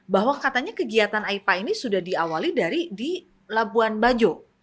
bahwa katanya kegiatan aipa ini sudah diawali dari di labuan bajo